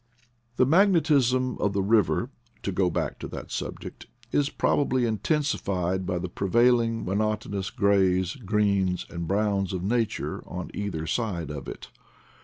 The magnetism of the river (to go back to that subject) is probably intensified by the prevailing monotonous grays, greens, and browns of nature on either side of it.